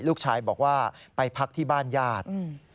ลูกชายบอกว่าไปพักที่บ้านญาติ